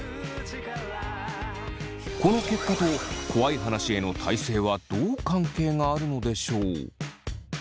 この結果と怖い話への耐性はどう関係があるのでしょう？